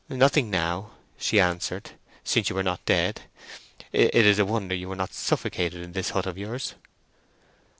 "Nothing now," she answered, "since you are not dead. It is a wonder you were not suffocated in this hut of yours."